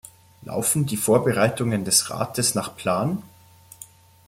Laufen die Vorbereitungen des Rates nach Plan?